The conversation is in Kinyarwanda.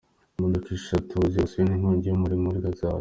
Imodoka eshatu zibasiwe n’inkongi y’umuriro mu Gatsata.